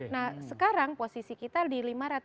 nah sekarang posisi kita di lima ratus enam puluh